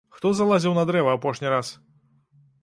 Хто залазіў на дрэва апошні раз?